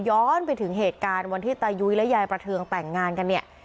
ย้อนไปถึงเหตุการณ์วันที่ตายุ้ยและยายประเทืองแต่งงานกันเนี่ย